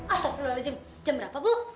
astagfirullahaladzim jam berapa bu